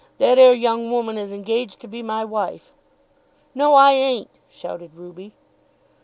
That ere young woman is engaged to be my wife." "No, I ain't," shouted Ruby.